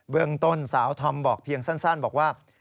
เรื่องต้นสาวธอมบอกเพียงสั้นบอกว่า